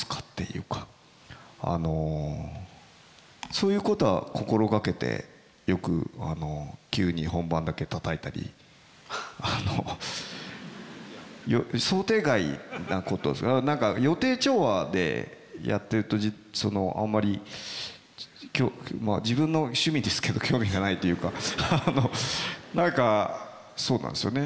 そういうことは心掛けてよく急に本番だけたたいたりあの想定外なこと何か予定調和でやってるとあんまりまあ自分の趣味ですけど興味がないというか何かそうなんですよね。